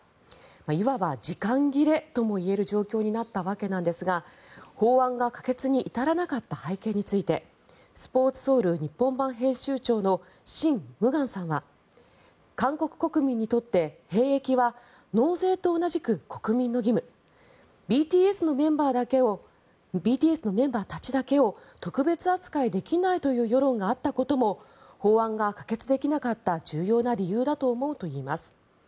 いわば時間切れともいえる状況になったわけですが法案が可決に至らなかった背景についてスポーツソウル日本版編集長のシン・ムグァンさんは韓国国民にとって兵役は納税と同じく国民の義務ＢＴＳのメンバーたちだけを特別扱いできないという世論があったことも法案が可決できなかった重要な理由だと思うとしています。